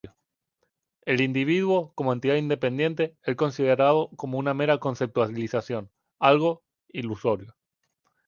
El individuo como entidad independiente es considerado como una mera conceptualización: algo ilusorio.